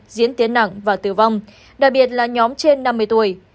diễn tiến nặng và tử vong đặc biệt là nhóm trên năm mươi tuổi